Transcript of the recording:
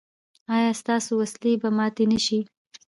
ایا ستاسو وسلې به ماتې نه شي؟